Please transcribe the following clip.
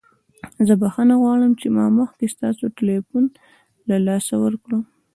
زه بخښنه غواړم چې ما مخکې ستاسو تلیفون له لاسه ورکړ.